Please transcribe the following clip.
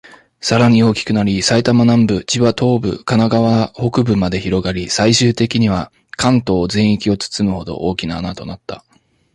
さらに大きくなり、埼玉南部、千葉東部、神奈川北部まで広がり、最終的には関東全域を包むほど、大きな穴となった。